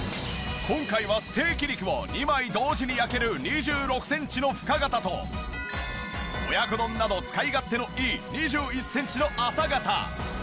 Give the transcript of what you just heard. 今回はステーキ肉を２枚同時に焼ける２６センチの深型と親子丼など使い勝手のいい２１センチの浅型。